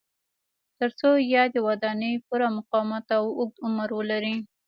ترڅو یادې ودانۍ پوره مقاومت او اوږد عمر ولري.